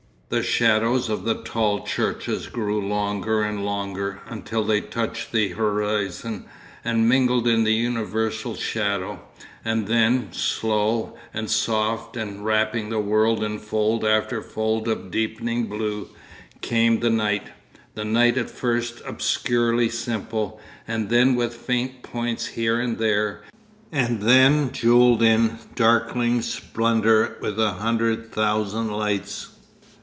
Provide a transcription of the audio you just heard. The shadows of the tall churches grew longer and longer, until they touched the horizon and mingled in the universal shadow; and then, slow, and soft, and wrapping the world in fold after fold of deepening blue, came the night—the night at first obscurely simple, and then with faint points here and there, and then jewelled in darkling splendour with a hundred thousand lights.